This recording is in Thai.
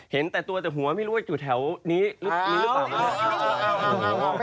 เห็นแต่ตัวแต่หัวไม่รู้ว่าอยู่แถวนี้หรือเปล่านะครับ